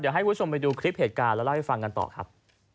ให้คุณผู้ชมไปดูคลิปเหตุการณ์แล้วเล่าให้ฟังกันต่อครับ